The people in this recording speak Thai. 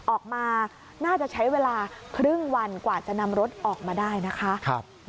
ออกมาน่าจะใช้เวลาครึ่งวันกว่าจะนำรถออกมาได้นะคะ